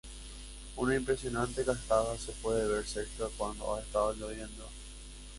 Una impresionante cascada se puede ver cerca cuando ha estado lloviendo.